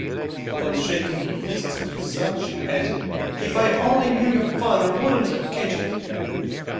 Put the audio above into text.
And shaking her fist at her son, she added, "If I only knew your father, wouldn't he catch it!"